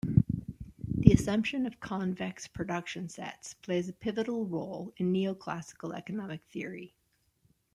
The assumption of convex production sets plays a pivotal role in neoclassical economic theory.